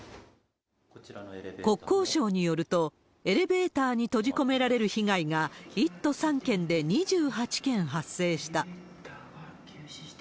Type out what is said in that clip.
国交省によると、エレベーターに閉じ込められる被害が１都３県で２８件発生した。